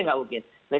itu tidak mungkin